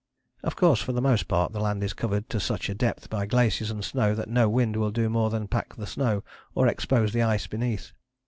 Of course for the most part the land is covered to such a depth by glaciers and snow that no wind will do more than pack the snow or expose the ice beneath.